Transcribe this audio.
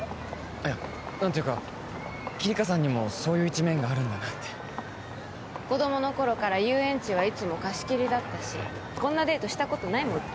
いや何ていうかキリカさんにもそういう一面があるんだなって子どもの頃から遊園地はいつも貸し切りだったしこんなデートしたことないもん